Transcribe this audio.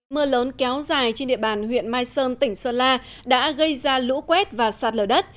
mưa lớn kéo dài trên địa bàn huyện mai sơn tỉnh sơn la đã gây ra lũ quét và sạt lở đất